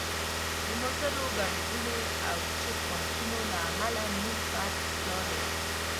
د موټرو ګڼې ګوڼې او چیک پواینټونو له امله نیم ساعت لاره ده.